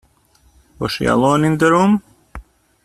Was she alone in the room?